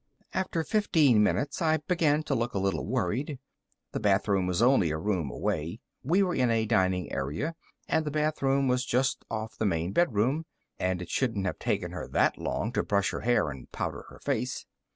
After fifteen minutes, I began to look a little worried. The bathroom was only a room away we were in a dining area, and the bathroom was just off the main bedroom and it shouldn't have taken her that long to brush her hair and powder her face.